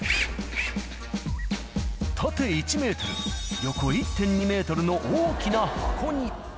縦１メートル、横１．２メートルの大きな箱に。